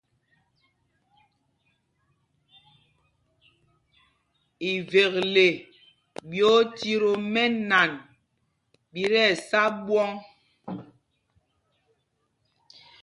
Ivekle ɓi otit o mɛ́nan ɓi tí ɛsá ɓwɔ̂ŋ.